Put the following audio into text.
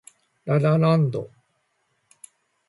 ラ・ラ・ランド